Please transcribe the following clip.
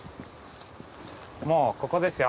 もうここですよ。